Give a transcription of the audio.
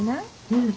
うん。